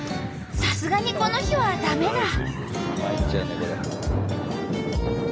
さすがにこの日は駄目だ。